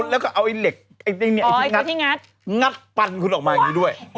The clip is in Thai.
แล้วก็เอาไอ้เหล็กที่งัดที่งัดงัดปันคุณออกมาอย่างนี้ด้วย